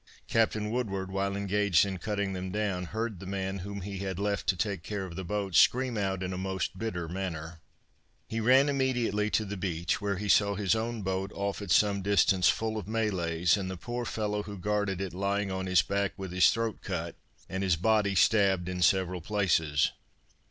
Captain Woodward while engaged in cutting them down, heard the man whom he had left to take care of the boat, scream out in a most bitter manner. He ran immediately to the beach where he saw his own boat off at some distance full of Malays and the poor fellow who guarded it lying on his back with his throat cut, and his body stabbed in several places.